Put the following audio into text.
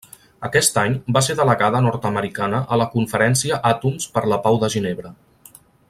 Aquest any va ser delegada nord-americana a la Conferència Àtoms per la Pau de Ginebra.